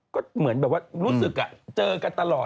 ก็เหมือนแบบว่ารู้สึกเจอกันตลอด